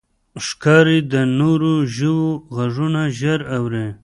ښکاري د نورو ژوو غږونه ژر اوري.